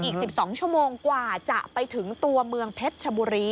อีก๑๒ชั่วโมงกว่าจะไปถึงตัวเมืองเพชรชบุรี